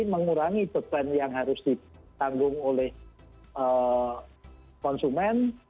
mengurangi beban yang harus ditanggung oleh konsumen